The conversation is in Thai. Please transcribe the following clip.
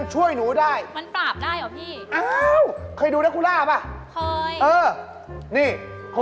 จริงถ้าผีเข้านี่ก็